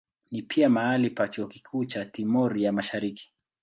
Ni pia mahali pa chuo kikuu cha Timor ya Mashariki.